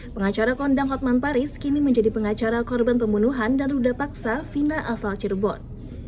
pengacara kondang hotman paris kini menjadi pengacara korban pembunuhan dan ruda paksa vina asal cirebon